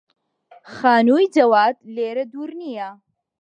خانووی جەواد لێرە دوور نییە.